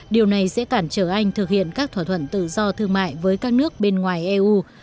điều này sẽ cản trở anh thực hiện các thỏa thuận tự do thương mại với các nước bên ngoài eu